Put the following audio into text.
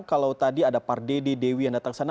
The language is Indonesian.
kalau tadi ada pak dede dewi yang datang ke sana